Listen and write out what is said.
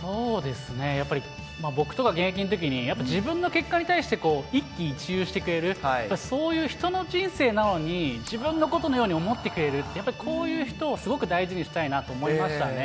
そうですね、やっぱり僕とか現役のときに、やっぱ自分の結果に対して、一喜一憂してくれる、そういう人の人生なのに、自分のことのように思ってくれるって、やっぱりこういう人をすごく大事にしたいなと思いましたね。